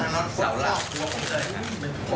คุณต้องเข้าใจถึงว่าคุณเสร็จแล้ว